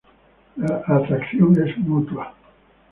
La atracción es mutua.